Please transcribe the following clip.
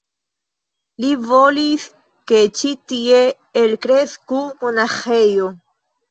Li volis, ke ĉi tie elkresku monaĥejo.